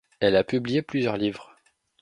Elle a publié plusieurs livres.